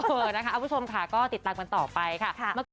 เอาให้ผู้ชมค่ะก็ติดตามกันต่อไปค่ะ